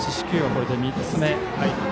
これで３つ目。